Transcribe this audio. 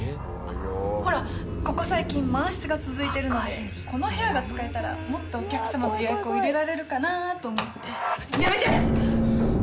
ほらここ最近満室が続いてるのでこの部屋が使えたらもっとお客様の予約を入れられるかなと思ってやめて！